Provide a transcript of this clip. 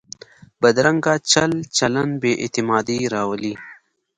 بدرنګه چل چلند بې اعتمادي راولي